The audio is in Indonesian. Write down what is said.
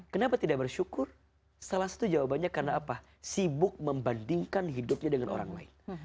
kenapa tidak bersyukur salah satu jawabannya karena apa sibuk membandingkan hidupnya dengan orang lain